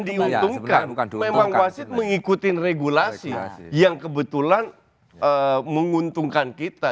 sebenarnya bukan diuntungkan memang wasid mengikuti regulasi yang kebetulan menguntungkan kita